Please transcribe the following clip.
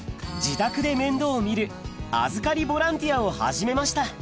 自宅で面倒を見る預かりボランティアを始めました